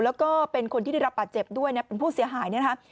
แล้วก็เป็นคนที่ได้รับบาดเจ็บด้วยนะเป็นผู้เสียหายเนี่ยนะคะ